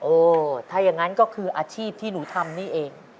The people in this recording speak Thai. ถ้าอย่างนั้นก็คืออาชีพที่หนูทำนี่เอง